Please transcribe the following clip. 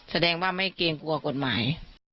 แสดงว่าไม่เกรงกลัวกฎหมาย